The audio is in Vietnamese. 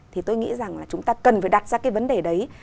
thì tôi nghĩ rằng là chúng ta cần phải đặt ra cái vấn đề đấy